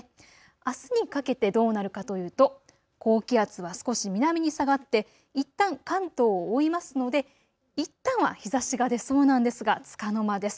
あすにかけてどうなるかというと、高気圧は少し南に下がっていったん関東を覆いますのでいったんは日ざしが出そうなんですが、つかの間です。